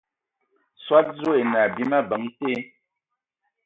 Soad dzoe e enə abim abəŋ te.